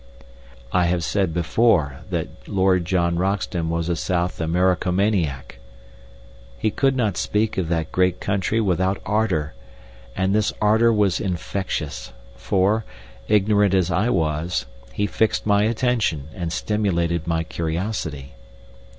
I have said before that Lord John Roxton was a South Americomaniac. He could not speak of that great country without ardor, and this ardor was infectious, for, ignorant as I was, he fixed my attention and stimulated my curiosity.